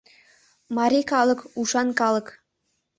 Марий калык, ушан калык!